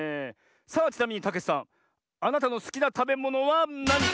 さあちなみにたけちさんあなたのすきなたべものはなに？